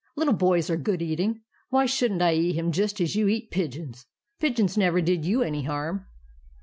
LITTLE BOYS ARE GOOD EATING. WHY SHOULD NT I EAT HIM JUST AS YOU EAT PIGEONS? PIGEONS NEVER DID YOU ANY HARM."